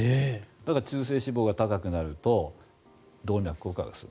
だから、中性脂肪が高くなると動脈硬化が進む。